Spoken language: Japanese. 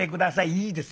いいです